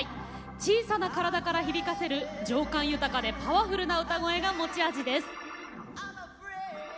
小さな体から響かせる情感豊かでパワフルな歌声が持ち味です。